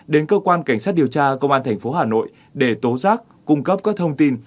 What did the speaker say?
đến cơ quan cảnh sát điều tra công an tp hà nội để tố giác cung cấp các thông tin